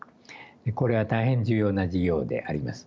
これは大変重要な事業であります。